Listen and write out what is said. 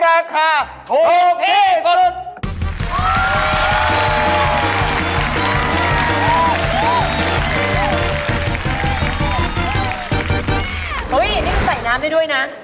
อุ๊ยอันนี้เค้าใส่น้ำได้ด้วยนะ